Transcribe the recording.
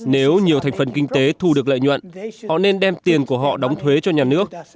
nếu nhiều thành phần kinh tế thu được lợi nhuận họ nên đem tiền của họ đóng thuế cho nhà nước